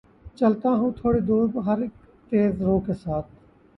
چلتا ہوں تھوڑی دور‘ ہر اک تیز رو کے ساتھ